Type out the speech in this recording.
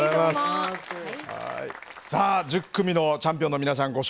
さあ１０組のチャンピオンの皆さん